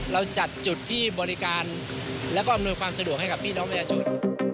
เราจัดจุดที่บริการแล้วก็อำนวยความสะดวกให้กับพี่น้องประชาชน